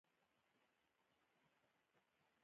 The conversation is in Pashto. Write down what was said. آیا څوک یې راکوي؟